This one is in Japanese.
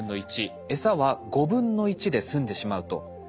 エサは５分の１で済んでしまうと。